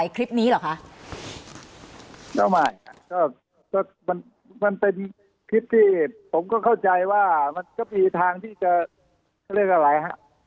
คิดที่ผมก็เข้าใจว่ามันก็มีทางที่จะเรียกอะไรฮะ